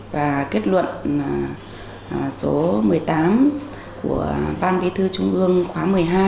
và kết luận số một mươi tám của ban bí thư trung ương khóa một mươi hai